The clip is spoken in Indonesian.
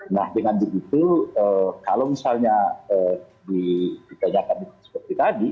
nah dengan begitu kalau misalnya ditanyakan di diskusi tadi